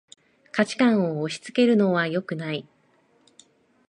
価値観を押しつけるのはよくない